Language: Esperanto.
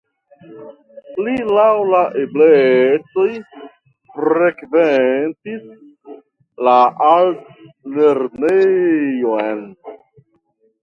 Li laŭ la eblecoj frekventis la altlernejon.